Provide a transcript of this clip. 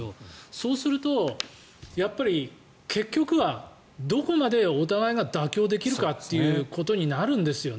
そうするとやっぱり結局はどこまでお互いが妥協できるかってなるんですよね。